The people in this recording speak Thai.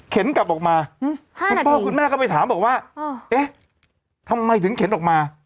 เข็นกลับมาปอคุณแม่ก็ไปถามว่าเอ๊ะทำไมถึงเข็นออกมา